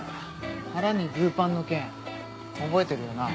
腹にグパンの件覚えてるよな？